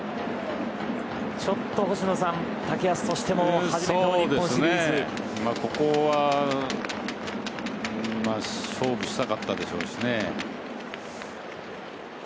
ちょっと星野さん竹安としてもここは勝負したかったでしょうしね。